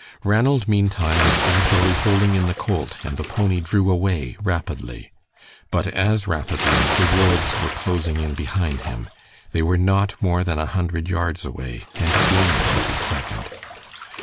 Ranald meantime was gradually holding in the colt, and the pony drew away rapidly. But as rapidly the wolves were closing in behind him. They were not more than a hundred yards away, and gaining every second.